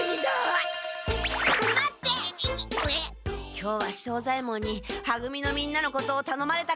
今日は庄左ヱ門には組のみんなのことをたのまれたから止める！